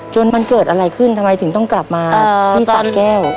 จนมันเกิดอะไรขึ้นทำไมถึงต้องกลับมาที่สะแก้ว